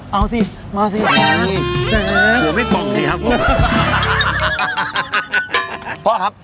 เอาสิมาสิหัวไม่ปล่อยครับผม